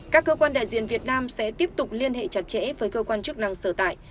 các cơ quan đại diện việt nam sẽ tiếp tục liên hệ chặt chẽ với cơ quan chức năng sở tại